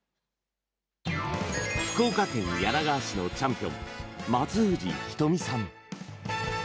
福岡県柳川市のチャンピオン松藤仁美さん。